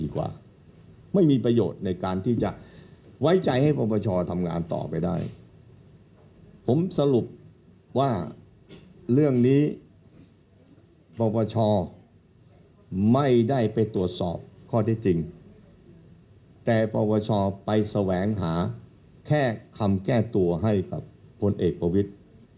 ใครแสวงหาแค่คำแก้ตัวให้กับพลเอกประวิทธิ์